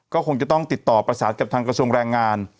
ก็คงจะต้องติดต่อประสานกับทางกระทรวงแรงงาน